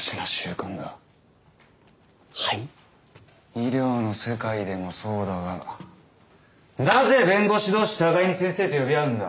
医療の世界でもそうだがなぜ弁護士同士互いに先生と呼び合うんだ？